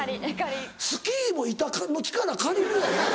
スキーも板の力借りるんやで。